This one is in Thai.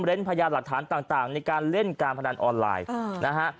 เล่นพญาหรัฐฐานต่างต่างในการเล่นการพนันออนไลน์อือนะฮะ